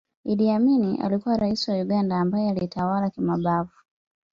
Idd Amin alikuwa Raisi wa Uganda ambaye alitawala kimabavu